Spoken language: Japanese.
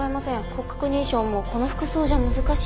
骨格認証もこの服装じゃ難しいし。